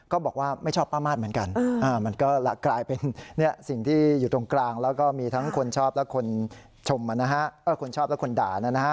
คนชอบและคนด่านะ